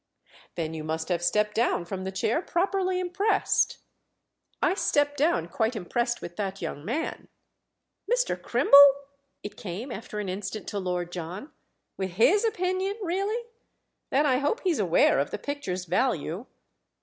"Then you must have stepped down from the chair properly impressed." "I stepped down quite impressed with that young man." "Mr. Crimble?"—it came after an instant to Lord John. "With his opinion, really? Then I hope he's aware of the picture's value."